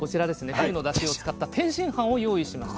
ふぐのだしを使った天津飯を用意しました。